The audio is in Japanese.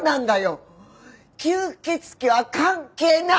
吸血鬼は関係ない！